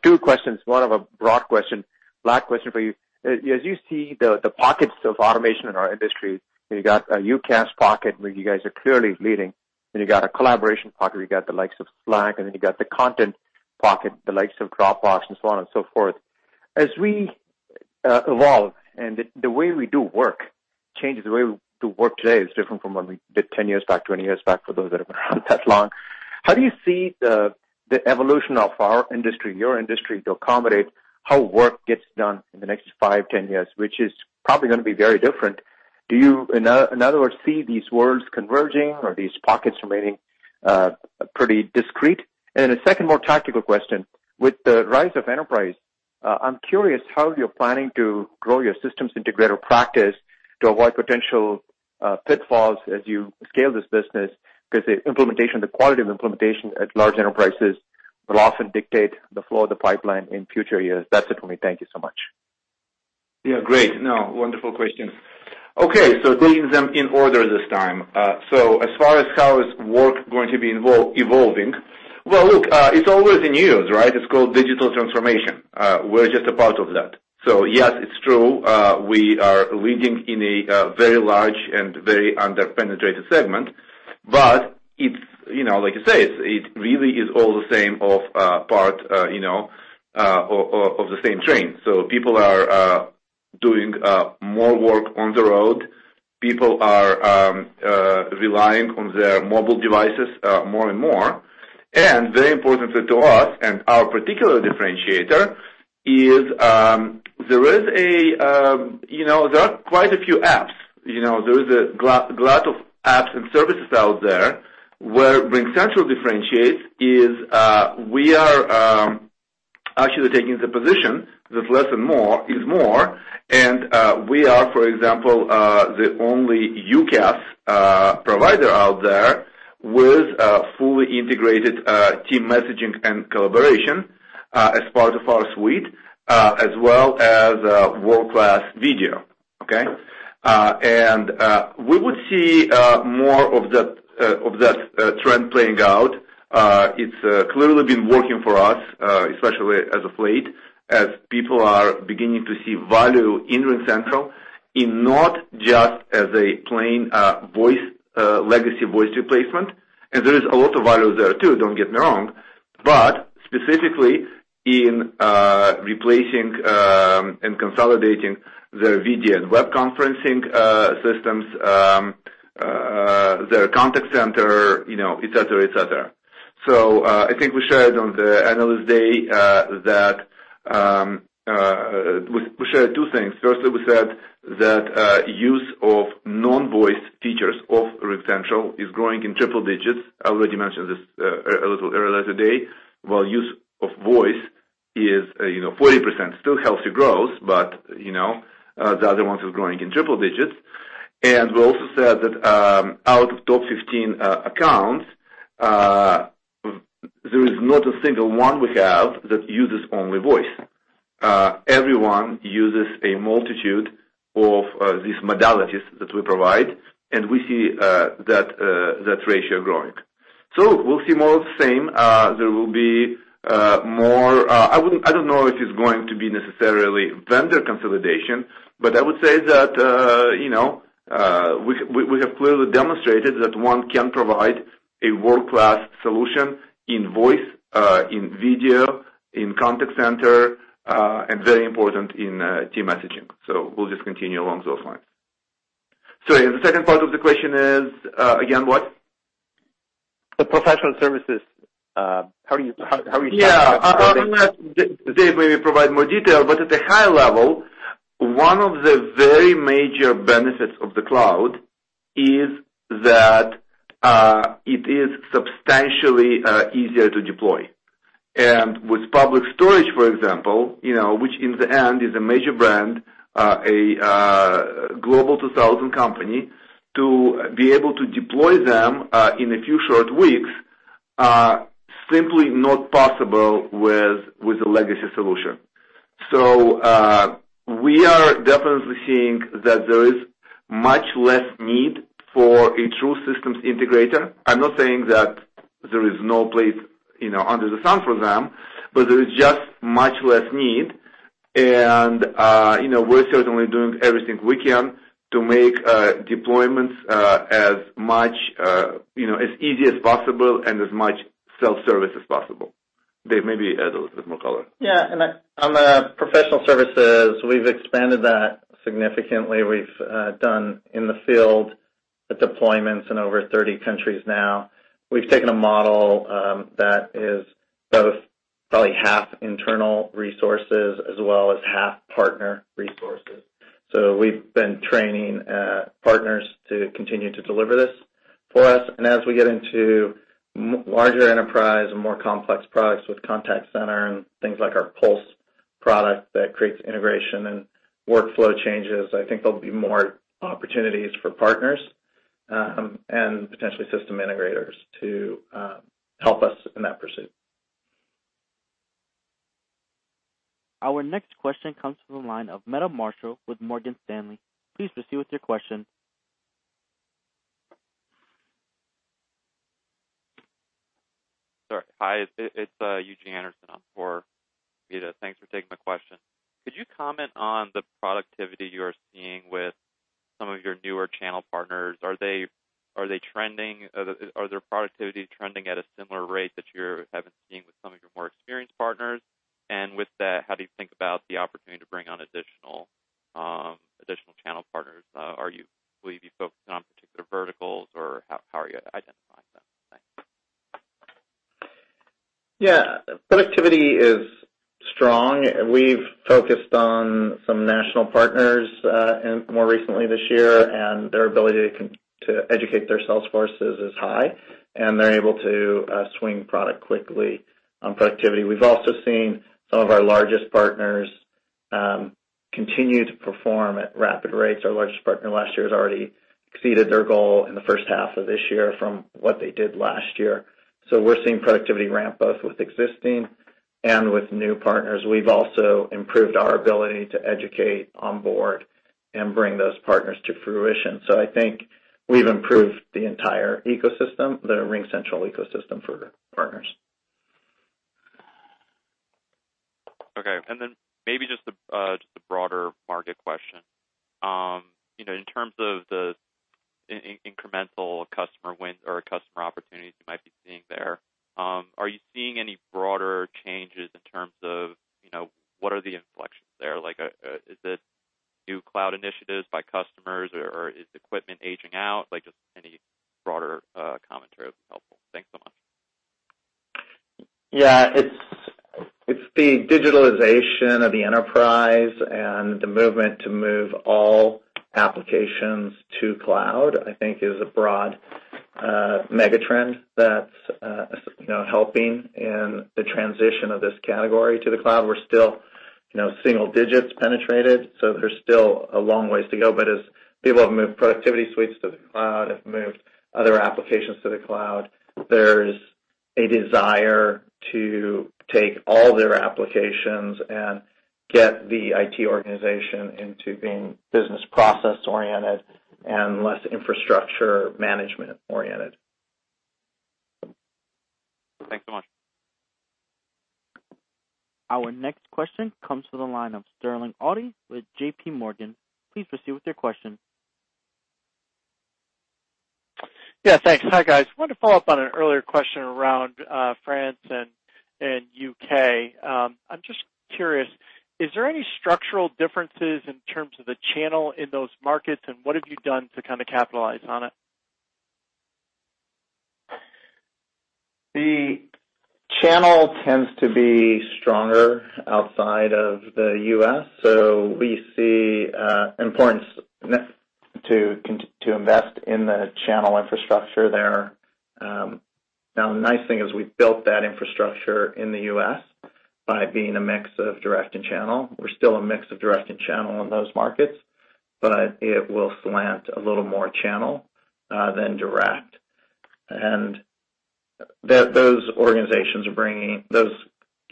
Two questions, one of a broad question, last question for you. As you see the pockets of automation in our industry, you got a UCaaS pocket where you guys are clearly leading, then you got a collaboration pocket where you got the likes of Slack, and then you got the content pocket, the likes of Dropbox, and so on and so forth. As we evolve and the way we do work changes, the way we do work today is different from what we did 10 years back, 20 years back, for those that have been around that long. How do you see the evolution of our industry, your industry, to accommodate how work gets done in the next five, 10 years, which is probably going to be very different? Do you, in other words, see these worlds converging or these pockets remaining pretty discreet? A second, more tactical question. With the rise of enterprise, I'm curious how you're planning to grow your systems integrator practice to avoid potential pitfalls as you scale this business, because the quality of implementation at large enterprises will often dictate the flow of the pipeline in future years. That's it for me. Thank you so much.
Yeah, great. No, wonderful questions. Okay, doing them in order this time. As far as how is work going to be evolving, well, look, it's always in use, right? It's called digital transformation. We're just a part of that. Yes, it's true, we are leading in a very large and very under-penetrated segment, but like you say, it really is all the same of part of the same train. People are doing more work on the road. People are relying on their mobile devices more and more. Very importantly to us and our particular differentiator is, there are quite a few apps. There is a glut of apps and services out there. Where RingCentral differentiates is we are actually taking the position that less is more. We are, for example, the only UCaaS provider out there with a fully integrated team messaging and collaboration as part of our suite, as well as world-class video. Okay? We would see more of that trend playing out. It's clearly been working for us, especially as of late, as people are beginning to see value in RingCentral in not just as a plain legacy voice replacement. There is a lot of value there, too, don't get me wrong, but specifically in replacing and consolidating their video and web conferencing systems, their contact center, et cetera. I think we shared on the Analyst Day. We shared two things. Firstly, we said that use of non-voice features of RingCentral is growing in triple digits. I already mentioned this a little earlier today. While use of voice is 40%, still healthy growth, the other one is growing in triple digits. We also said that out of top 15 accounts, there is not a single one we have that uses only voice. Everyone uses a multitude of these modalities that we provide, and we see that ratio growing. We'll see more of the same. There will be more. I don't know if it's going to be necessarily vendor consolidation, but I would say that we have clearly demonstrated that one can provide a world-class solution in voice, in video, in contact center, and very important in team messaging. We'll just continue along those lines. Sorry, the second part of the question is, again, what?
The professional services.
Yeah. Dave maybe provide more detail, but at a high level, one of the very major benefits of the cloud is that it is substantially easier to deploy. With Public Storage, for example, which in the end is a major brand, a Global 2000 company, to be able to deploy them in a few short weeks, simply not possible with a legacy solution. We are definitely seeing that there is much less need for a true systems integrator. I'm not saying that there is no place under the sun for them, but there is just much less need. We're certainly doing everything we can to make deployments as easy as possible and as much self-service as possible. Dave, maybe add a little bit more color.
Yeah. On the professional services, we've expanded that significantly. We've done in the field The deployments in over 30 countries now. We've taken a model that is both probably half internal resources as well as half partner resources. We've been training partners to continue to deliver this for us. As we get into larger enterprise and more complex products with contact center and things like our Pulse product that creates integration and workflow changes, I think there'll be more opportunities for partners, and potentially system integrators to help us in that pursuit.
Our next question comes from the line of Meta Marshall with Morgan Stanley. Please proceed with your question.
Sorry. Hi, it's Eugene Anderson on for Meta Marshall. Thanks for taking my question. Could you comment on the productivity you are seeing with some of your newer channel partners? Are their productivity trending at a similar rate that you have been seeing with some of your more experienced partners? With that, how do you think about the opportunity to bring on additional channel partners? Will you be focusing on particular verticals or how are you identifying them? Thanks.
Yeah. Productivity is strong. We've focused on some national partners more recently this year, their ability to educate their sales forces is high, and they're able to swing product quickly on productivity. We've also seen some of our largest partners continue to perform at rapid rates. Our largest partner last year has already exceeded their goal in the first half of this year from what they did last year. We're seeing productivity ramp both with existing and with new partners. We've also improved our ability to educate on board and bring those partners to fruition. I think we've improved the entire ecosystem, the RingCentral ecosystem for partners.
Okay. Maybe just a broader market question. In terms of the incremental customer wins or customer opportunities you might be seeing there, are you seeing any broader changes in terms of what are the inflections there? Is it new cloud initiatives by customers or is equipment aging out? Just any broader commentary would be helpful. Thanks so much.
Yeah. It's the digitalization of the enterprise and the movement to move all applications to cloud, I think is a broad mega trend that's helping in the transition of this category to the cloud. We're still single digits penetrated, there's still a long ways to go. As people have moved productivity suites to the cloud, have moved other applications to the cloud, there's a desire to take all their applications and get the IT organization into being business process-oriented and less infrastructure management-oriented.
Thanks so much.
Our next question comes to the line of Sterling Auty with J.P. Morgan. Please proceed with your question.
Yeah, thanks. Hi, guys. Wanted to follow up on an earlier question around France and U.K. I'm just curious, is there any structural differences in terms of the channel in those markets, and what have you done to capitalize on it?
The channel tends to be stronger outside of the U.S., so we see importance to invest in the channel infrastructure there. Now, the nice thing is we've built that infrastructure in the U.S. by being a mix of direct and channel. We're still a mix of direct and channel in those markets, but it will slant a little more channel than direct. Those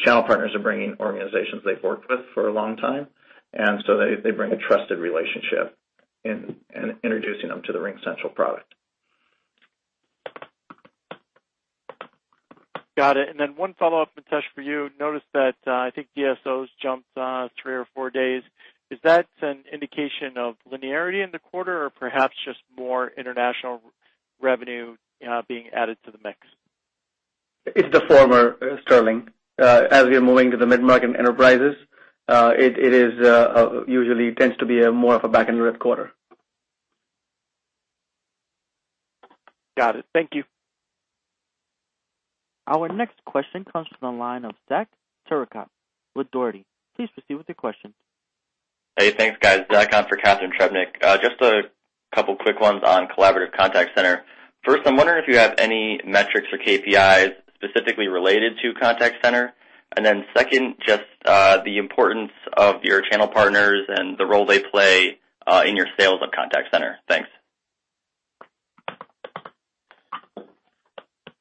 channel partners are bringing organizations they've worked with for a long time, and so they bring a trusted relationship in introducing them to the RingCentral product.
Got it. Then one follow-up, Mitesh, for you. Noticed that I think DSOs jumped three or four days. Is that an indication of linearity in the quarter or perhaps just more international revenue being added to the mix?
It's the former, Sterling. As we are moving to the mid-market enterprises, it usually tends to be more of a back-end quarter.
Got it. Thank you.
Our next question comes from the line of Zach Turcotte with Dougherty. Please proceed with your question.
Hey, thanks, guys. Zach on for Catharine Trebnick. Just two quick ones on collaborative contact center. First, I'm wondering if you have any metrics or KPIs specifically related to contact center. Second, just the importance of your channel partners and the role they play in your sales of contact center. Thanks.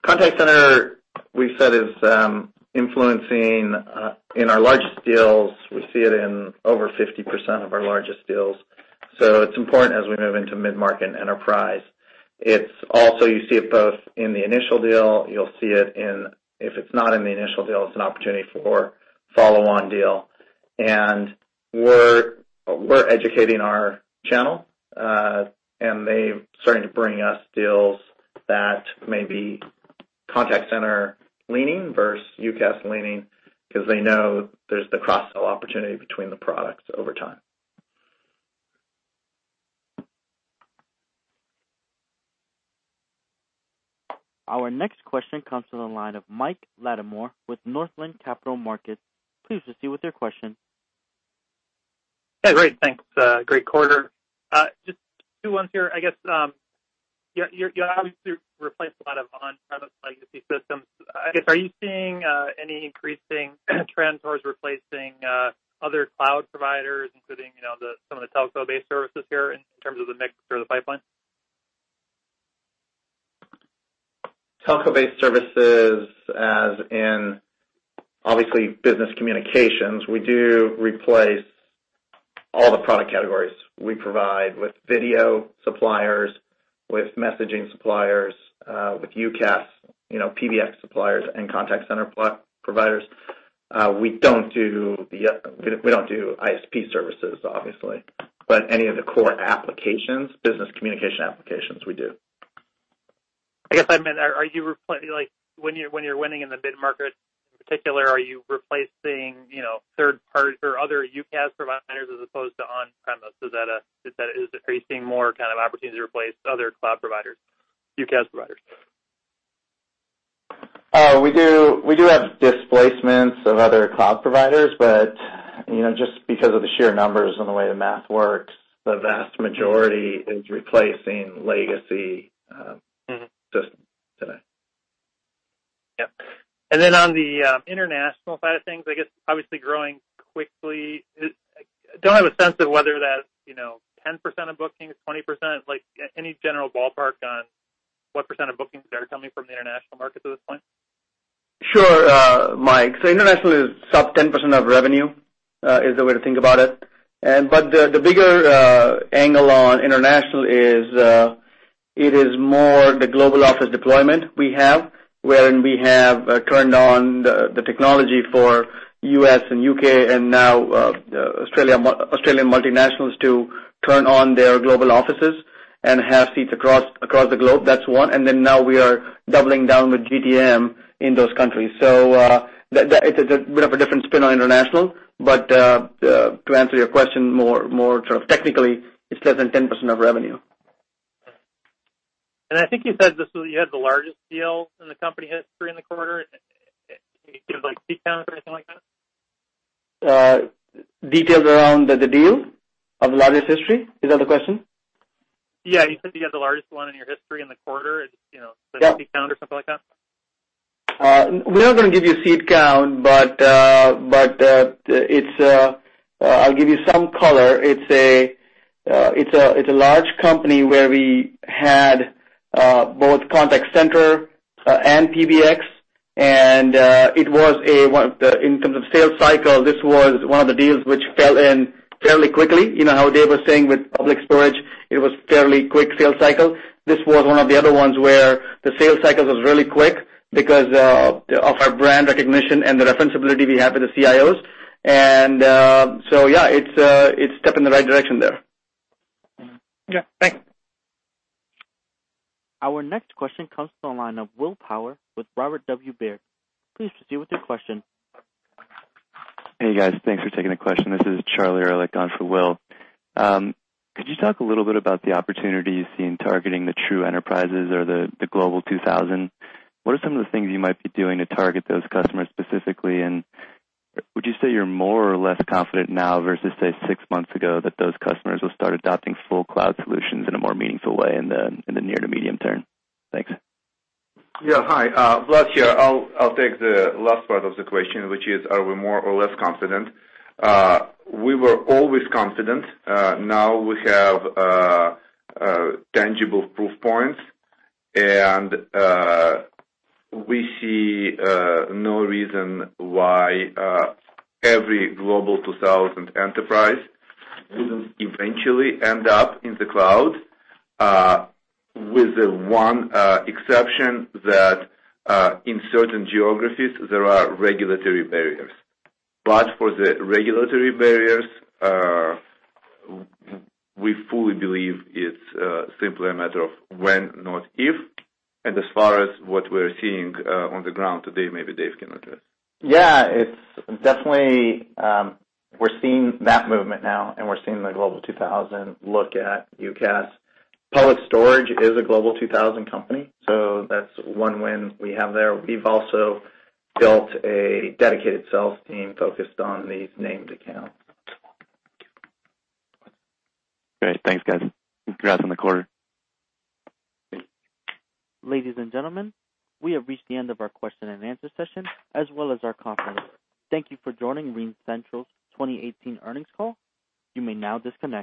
Contact center, we've said, is influencing in our largest deals. We see it in over 50% of our largest deals. It's important as we move into mid-market and enterprise. You see it both in the initial deal. If it's not in the initial deal, it's an opportunity for follow-on deal. We're educating our channel, and they're starting to bring us deals that maybe Contact center leaning versus UCaaS leaning because they know there's the cross-sell opportunity between the products over time.
Our next question comes to the line of Michael Latimore with Northland Capital Markets. Please proceed with your question.
Hey, great. Thanks. Great quarter. Just two ones here. You obviously replaced a lot of on-premise legacy systems. Are you seeing any increasing trends towards replacing other cloud providers, including some of the telco-based services here in terms of the mix or the pipeline?
Telco-based services, as in obviously business communications, we do replace all the product categories we provide with video suppliers, with messaging suppliers, with UCaaS, PBX suppliers, and contact center providers. We don't do ISP services, obviously. Any of the core applications, business communication applications, we do.
I guess, I meant, when you're winning in the mid-market, in particular, are you replacing third party or other UCaaS providers as opposed to on-premise? Are you seeing more opportunities to replace other cloud providers, UCaaS providers?
We do have displacements of other cloud providers, just because of the sheer numbers and the way the math works, the vast majority is replacing legacy systems today.
Yep. On the international side of things, I guess obviously growing quickly. I don't have a sense of whether that's 10% of bookings, 20%. Any general ballpark on what % of bookings are coming from the international markets at this point?
Sure, Mike. International is sub 10% of revenue, is the way to think about it. The bigger angle on international is, it is more the global office deployment we have, wherein we have turned on the technology for U.S. and U.K. and now Australian multinationals to turn on their global offices and have seats across the globe. That's one. Now we are doubling down with GTM in those countries. It's a bit of a different spin on international. To answer your question more sort of technically, it's less than 10% of revenue.
I think you said you had the largest deal in the company history in the quarter. Can you give seat count or anything like that?
Details around the deal of the largest history, is that the question?
Yeah. You said you had the largest one in your history in the quarter.
Yeah.
The seat count or something like that?
We're not going to give you a seat count, but I'll give you some color. It's a large company where we had both contact center and PBX. In terms of sales cycle, this was one of the deals which fell in fairly quickly. You know how Dave was saying with Public Storage, it was fairly quick sales cycle. This was one of the other ones where the sales cycle was really quick because of our brand recognition and the referenceability we have with the CIOs. Yeah, it's a step in the right direction there.
Okay. Thanks.
Our next question comes to the line of William Power with Robert W. Baird. Please proceed with your question.
Hey, guys. Thanks for taking the question. This is Charlie Ehrlich on for Will Power. Could you talk a little bit about the opportunity you see in targeting the true enterprises or the Forbes Global 2000? What are some of the things you might be doing to target those customers specifically? Would you say you're more or less confident now versus, say, six months ago, that those customers will start adopting full cloud solutions in a more meaningful way in the near to medium-term? Thanks.
Yeah. Hi, Vlad Shmunis here. I'll take the last part of the question, which is, are we more or less confident? We were always confident. Now we have tangible proof points and we see no reason why every Forbes Global 2000 enterprise wouldn't eventually end up in the cloud, with the one exception that in certain geographies there are regulatory barriers. For the regulatory barriers, we fully believe it's simply a matter of when, not if. As far as what we're seeing on the ground today, maybe Dave Sipes can address.
Yeah, it's definitely we're seeing that movement now. We're seeing the Forbes Global 2000 look at UCaaS. Public Storage is a Forbes Global 2000 company, so that's one win we have there. We've also built a dedicated sales team focused on these named accounts.
Great. Thanks, guys. Congrats on the quarter.
Ladies and gentlemen, we have reached the end of our question and answer session, as well as our conference. Thank you for joining RingCentral's 2018 earnings call. You may now disconnect.